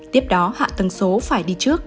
tiếp đó hạ tầng số phải đi trước